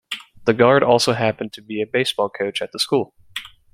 The guard also happened to be a baseball coach at the school.